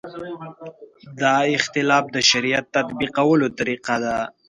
دا اختلاف د شریعت تطبیقولو طریقه ده.